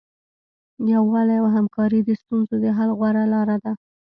یووالی او همکاري د ستونزو د حل غوره لاره ده.